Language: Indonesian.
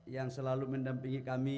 yang selalu mendampingi kami